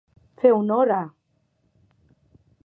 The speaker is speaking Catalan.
Fer honor a.